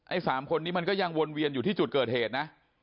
๓คนนี้มันก็ยังวนเวียนอยู่ที่จุดเกิดเหตุนะ